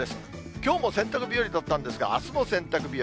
きょうも洗濯日和だったんですが、あすも洗濯日和。